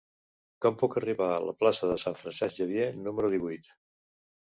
Com puc arribar a la plaça de Sant Francesc Xavier número divuit?